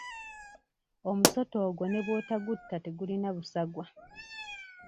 Omusota ogwo ne bw'otagutta tegulina busagwa.